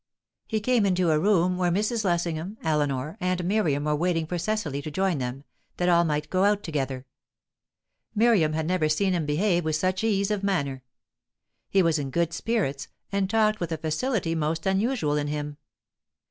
He came into a room where Mrs. Lessingham, Eleanor, and Miriam were waiting for Cecily to join them, that all might go out together. Miriam had never seen him behave with such ease of manner. He was in good spirits, and talked with a facility most unusual in him. Mrs.